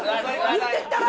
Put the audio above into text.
「言ってきたら」